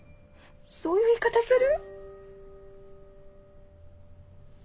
そういう言い方する？